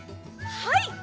はい！